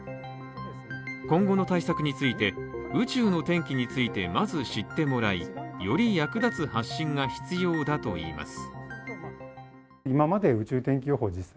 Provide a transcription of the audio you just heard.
今後の対策について、宇宙の天気についてまず知ってもらい、より役立つ発信が必要だといいます。